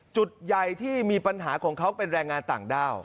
จุดใหญ่ที่มีปัญหาของเขาเป็นแรงงานต่างด้าว